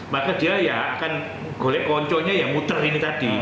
maka dia akan golek konconya yang muter ini tadi